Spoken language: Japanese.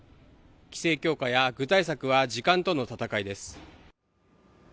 規制強化や具体策は時間との闘いです。